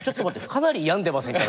かなり病んでませんか？